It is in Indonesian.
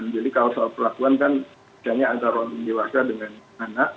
jadi kalau soal perlakuan kan misalnya antara orang dewasa dengan anak